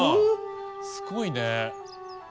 すごいね。